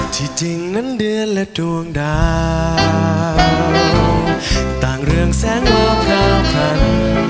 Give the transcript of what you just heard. ที่จริงนั้นเดือนและดวงดาวต่างเรื่องแสงวอคราวคัน